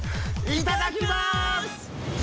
いただきます！